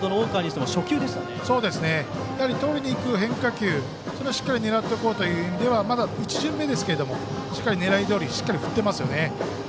とりにいく変化球を狙っていこうという意味ではまだ１巡目ですけれども狙いどおり、しっかり振ってます。